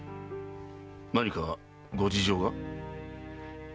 何かご事情が？